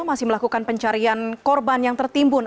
masih melakukan pencarian korban yang tertimbun